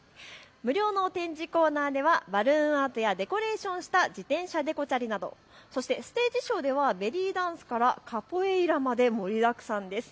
無料の展示コーナーではバルーンアートやデコレーションした自転車デコチャリなど、そしてステージショーではベリーダンスからカポエイラまで盛りだくさんです。